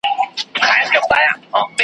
کي به ځي کاروان د اوښو .